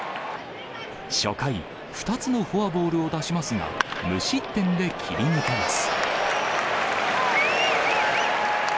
初回、２つのフォアボールを出しますが、無失点で切り抜けます。